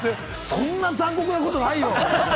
そんな残酷なことないよ！